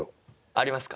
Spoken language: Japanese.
ありますか？